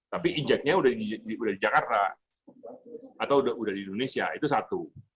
tapi injeknya udah di jakarta atau udah di indonesia itu satu